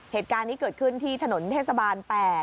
เหตุการณ์นี้เกิดขึ้นที่ถนนเทศบาล๘